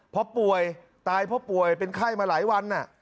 เพราะป่วยตายเพราะป่วยเป็นไข้มาหลายวัน